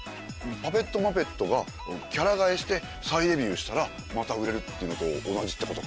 パペットマペットがキャラ変えして再デビューしたらまた売れるっていうのと同じってことか？